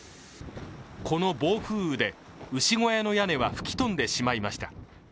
この暴風雨で、牛小屋の屋根は吹き飛んでしまいました。